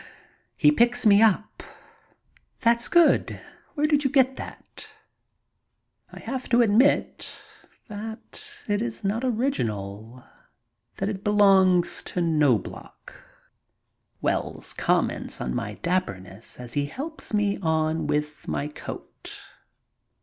He picks me up. '* That's good. Where did you get that ?'' I have to admit that it is not original — that it belongs to Knobloch. Wells comments on my dappemess as he helps me on with my coat.